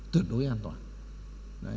tuyệt đối an toàn